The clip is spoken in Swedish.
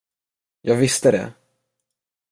Jag visste det.